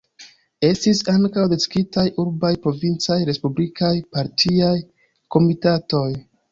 Estis ankaŭ distriktaj, urbaj, provincaj, respublikaj partiaj komitatoj.